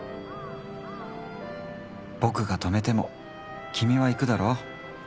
ボクが止めても君は行くだろう。